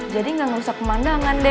jadi gak ngerusak pemandangan deh